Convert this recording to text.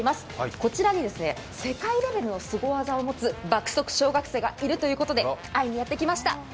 こちらに世界レベルのすご技を持つ爆速小学生がいるということで会いにやってきました。